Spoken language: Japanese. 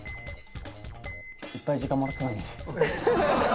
いっぱい時間もらったのに。